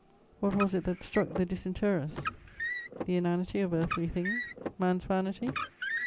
* What was it that struck the disinterrers? The inanity of earthly things? Man's vanity?